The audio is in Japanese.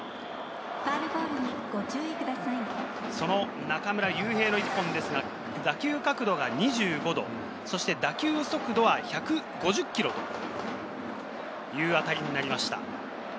その中村悠平の１本ですが、打球角度が２５度、そして打球速度は１５０キロという当たりになりました。